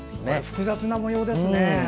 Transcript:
複雑な模様ですね。